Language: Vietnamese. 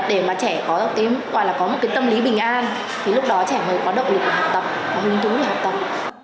để mà trẻ có một cái tâm lý bình an thì lúc đó trẻ mới có động lực để học tập có hứng thú để học tập